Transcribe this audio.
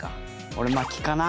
俺まきかな。